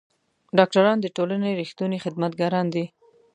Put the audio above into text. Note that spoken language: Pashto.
ډاکټران د ټولنې رښتوني خدمتګاران دي.